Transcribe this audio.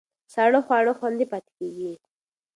ساړه خواړه خوندي پاتې کېږي.